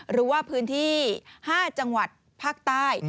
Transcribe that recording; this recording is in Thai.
หรือว่าพื้นที่๕จังหวัดภาคใต้